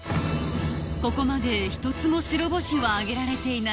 ここまで１つも白星をあげられていない